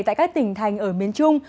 tại các tỉnh thành ở miền trung